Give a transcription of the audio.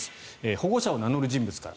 保護者を名乗る人物から。